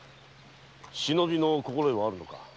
忍びの心得はあるのか？